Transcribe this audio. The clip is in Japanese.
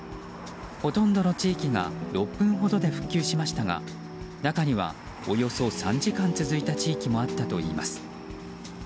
ほとんどの地域が６分ほどで復旧しましたが中にはおよそ３時間続いた地域もあったといいます。